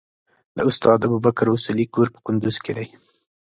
د استاد ابوبکر اصولي کور په کندوز کې دی.